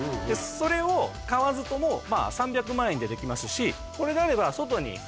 それを買わずとも３００万円でできますしこれであれば。